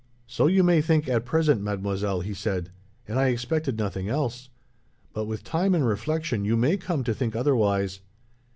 "'So you may think, at present, mademoiselle,' he said. 'And I expected nothing else. But, with time and reflection, you may come to think otherwise.